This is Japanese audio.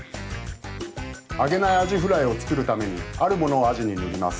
揚げないアジフライを作るためにあるものをアジに塗ります。